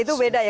itu beda ya